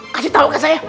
kasih tahu ke saya